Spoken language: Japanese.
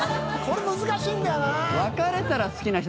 これ、難しいんだよな。